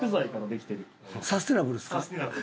サステナブルですか？